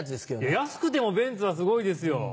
安くてもベンツはすごいですよ。